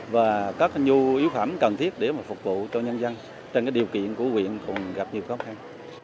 và các nhu yếu phẩm cần thiết để phục vụ cho nhân dân trên điều kiện của quyện còn gặp nhiều khó khăn